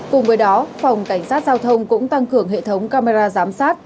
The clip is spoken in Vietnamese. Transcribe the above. cùng với đó phòng cảnh sát giao thông cũng tăng cường hệ thống camera giám sát